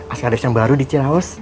askaris yang baru di ciraos